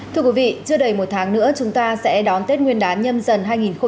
thưa quý vị chưa đầy một tháng nữa chúng ta sẽ đón tết nguyên đán nhâm dần hai nghìn hai mươi